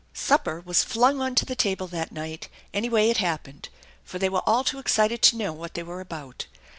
Supper was flung onto the table that night any way it happened, for they were all too excited to know what they were about.